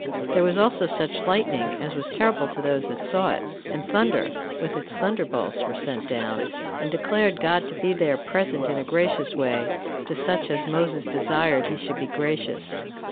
There was also such lightning, as was terrible to those that saw it; and thunder, with its thunderbolts, were sent down, and declared God to be there present in a gracious way to such as Moses desired he should be gracious.